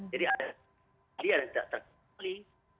jadi ada yang tidak terkendali